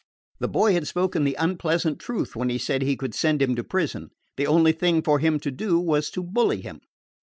The boy had spoken the unpleasant truth when he said he could send him to prison. The only thing for him to do was to bully him.